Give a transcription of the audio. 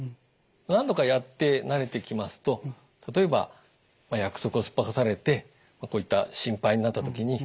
何度かやって慣れてきますと例えば約束をすっぽかされてこういった心配になった時に「